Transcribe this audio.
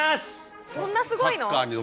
そんなすごいの？